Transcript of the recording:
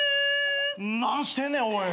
何してんねんおい。